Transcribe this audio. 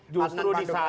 justru di sana lah